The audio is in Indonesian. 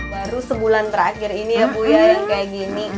baru sebulan terakhir ini ya bu ya yang kayak gini